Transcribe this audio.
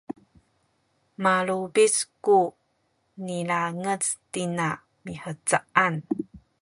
malubic ku nilangec tina mihcaan